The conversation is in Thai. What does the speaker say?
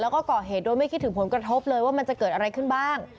แล้วก็ก่อเหตุโดยไม่คิดถึงผลกระทบเลยว่ามันจะเกิดอะไรขึ้นบ้าง